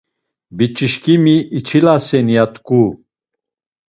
Biç̌işǩimi içilasen ya t̆ǩu.